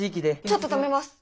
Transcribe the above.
ちょっと止めます！